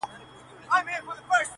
• اوس په خپله د انصاف تله وركېږي -